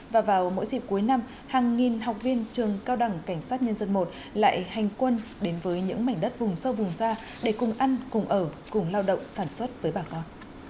và vào mỗi dịp cuối năm hàng nghìn học viên trường cao đẳng cảnh sát nhân dân i lại hành quân đến với những mảnh đất vùng sâu vùng xa để cùng ăn cùng ở cùng lao động sản xuất với bà con